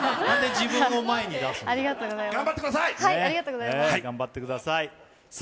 なんで自分を前に出すの。頑張ってください！